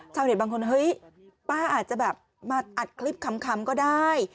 ชาวเห็นบางคนเฮ้ยป้าอาจจะมาอัดคลิปคำก็ได้